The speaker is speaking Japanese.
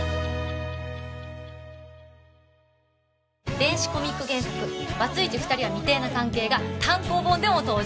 電子コミック原作『バツイチ２人は未定な関係』が単行本でも登場。